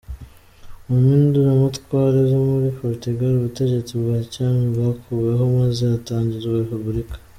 Mu mpinduramatwara zo muri Portugal, ubutegetsi bwa cyami bwakuweho maze hatangizwa Repubulika.